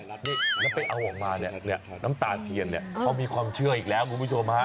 แล้วไปเอาออกมาเนี่ยน้ำตาเทียนเนี่ยเขามีความเชื่ออีกแล้วคุณผู้ชมฮะ